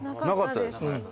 なかったですね。